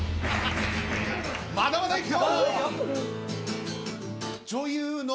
まだまだいくよ。